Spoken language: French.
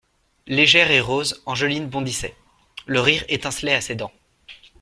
Légère et rose, Angeline bondissait: le rire étincelait à ses dents.